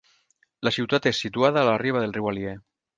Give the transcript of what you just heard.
La ciutat és situada a la riba del riu Alier.